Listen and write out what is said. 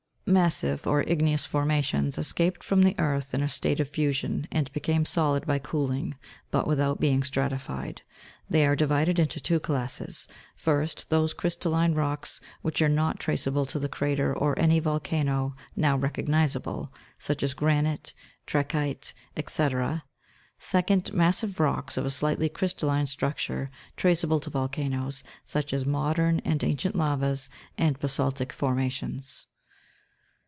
2. MASSIVE, or IGNEOUS FORMATIONS escaped from the earth in a state of fusion, and became solid by cooling, but without being stratified. They are divided into two classes : 1st, those crystal line rocks which are not traceable to the crater of any volcano now recognisable, such as granite, trachyte, &c. ; 2d, massive rocks of a slightly crystalline structure, traceable to volcanoes, such as modern and ancient lavas, and basa'ltic formations.